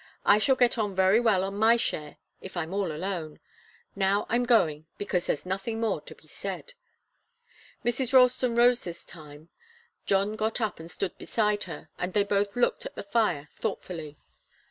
I shall get on very well on my share if I'm all alone. Now I'm going, because there's nothing more to be said." Mrs. Ralston rose this time. John got up and stood beside her, and they both looked at the fire thoughtfully.